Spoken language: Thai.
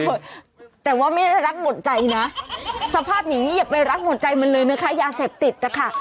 แต่ว่าไม่ได้รักหมดใจนะสภาพอย่างนี้อย่าไปรักหมดใจมันเลยนะคะยาเสพติดนะคะ